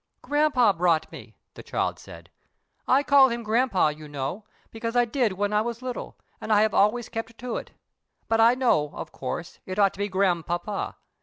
"Grampa brought me here," the child said. "I call him grampa, you know, because I did when I was little, and I have always kept to it; but I know, of course, it ought to be grandpapa.